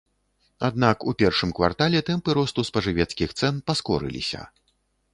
Аднак у першым квартале тэмпы росту спажывецкіх цэн паскорыліся.